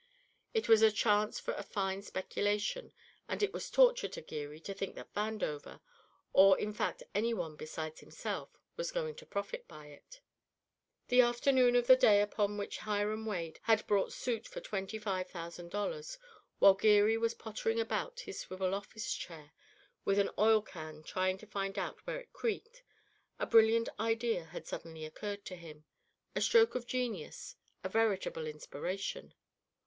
It was a chance for a fine speculation, and it was torture to Geary to think that Vandover, or in fact any one besides himself, was going to profit by it. The afternoon of the day upon which Hiram Wade had brought suit for twenty five thousand dollars, while Geary was pottering about his swivel office chair with an oil can trying to find out where it creaked, a brilliant idea had suddenly occurred to him, a stroke of genius, a veritable inspiration.